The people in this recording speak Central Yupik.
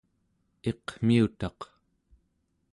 iqmiutaq